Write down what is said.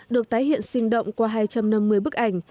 được tái hiện sinh động qua hai trăm năm mươi bức ảnh